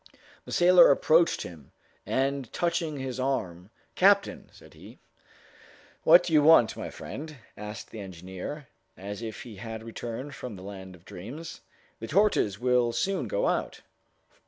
The sailor approached him, and touching his arm, "Captain!" said he. "What do you want, my friend?" asked the engineer, as if he had returned from the land of dreams. "The torches will soon go out."